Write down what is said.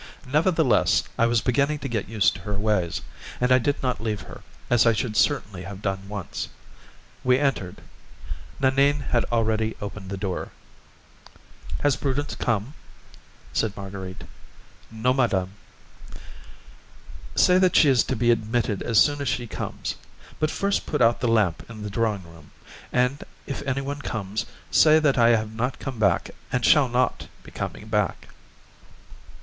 Nevertheless, I was beginning to get used to her ways, and I did not leave her, as I should certainly have done once. We entered. Nanine had already opened the door. "Has Prudence come?" said Marguerite. "No, madame." "Say that she is to be admitted as soon as she comes. But first put out the lamp in the drawing room, and if anyone comes, say that I have not come back and shall not be coming back."